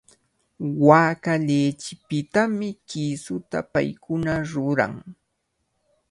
Waaka lichipitami kisuta paykuna ruran.